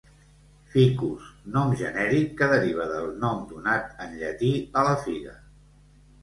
Ficus: nom genèric que deriva del nom donat en llatí a la figa.